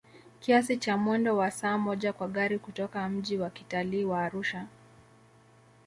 kiasi cha mwendo wa saa moja kwa gari kutoka mji wa kitalii wa Arusha